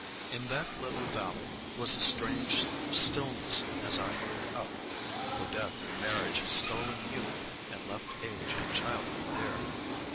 In that little valley was a strange stillness as I rode up; for death and marriage had stolen youth and left age and childhood there.